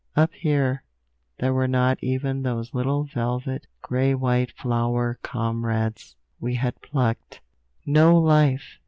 Up here, there were not even those little velvet, grey white flower comrades we had plucked. No life!